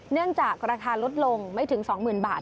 เนื่องจากราคาลดลงไม่ถึง๒๐๐๐บาท